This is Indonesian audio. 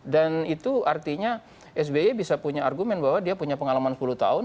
dan itu artinya sby bisa punya argumen bahwa dia punya pengalaman sepuluh tahun